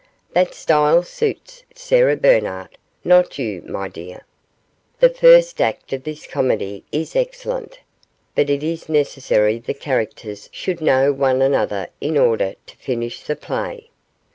'That style suits Sarah Bernhardt, not you, my dear. The first act of this comedy is excellent, but it is necessary the characters should know one another in order to finish the play.